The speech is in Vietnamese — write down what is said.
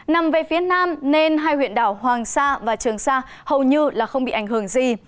nằm về phía nam nên hai huyện đảo hoàng sa và trường sa hầu như không bị ảnh hưởng gì